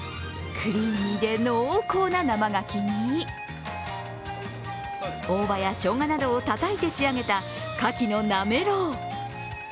クリーミーで濃厚な生がきに大葉やしょうがなどをたたいて仕上げたかきのなめろう。